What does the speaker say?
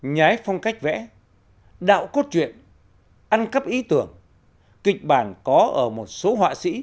nhái phong cách vẽ đạo cốt truyện ăn cắp ý tưởng kịch bản có ở một số họa sĩ